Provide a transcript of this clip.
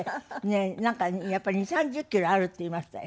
なんかやっぱり２０３０キロあるっていいましたよ。